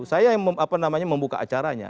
saya yang apa namanya membuka acaranya